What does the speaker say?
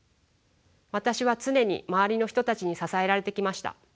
私は常に周りの人たちに支えられてきました。